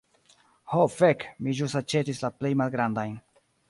Ho fek, mi ĵus aĉetis la plej malgrandajn.